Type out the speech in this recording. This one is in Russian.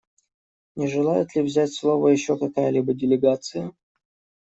Не желает ли взять слово еще какая-либо делегация?